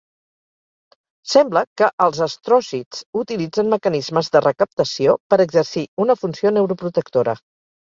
Sembla que els astròcits utilitzen mecanismes de recaptació per exercir una funció neuroprotectora.